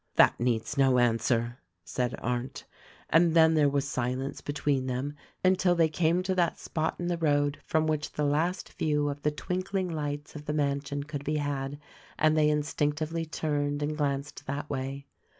" "That needs no answer," said Arndt ; and then there was silence between them until they came to that spot in the road from which the last view of the twinkling lights of the mansion could be had, and they instinctively turned and glanced that way.